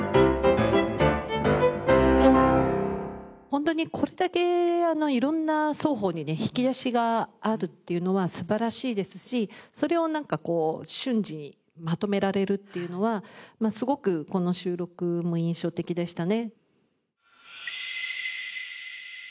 本当にこれだけ色んな双方に引き出しがあるっていうのは素晴らしいですしそれをなんかこう瞬時にまとめられるっていうのはすごくこの収録も印象的でしたね。